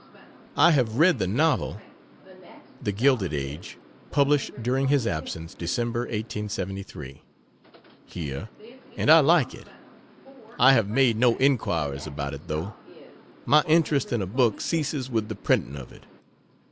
I have read the novel [The Gilded Age, published during his absence, December, 1873.] here, and I like it. I have made no inquiries about it, though. My interest in a book ceases with the printing of it.